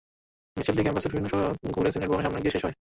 মিছিলটি ক্যাম্পাসের বিভিন্ন সড়ক ঘুরে সিনেট ভবনের সামনে গিয়ে শেষ হয়।